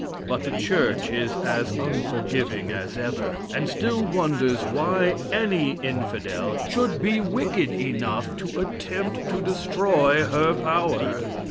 But the church is as unforgiving as ever, and still wonders why any infidel should be wicked enough to attempt to destroy her power.